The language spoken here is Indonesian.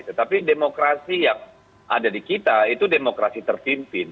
tetapi demokrasi yang ada di kita itu demokrasi terpimpin